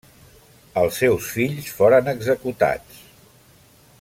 Els seus fills foren executats.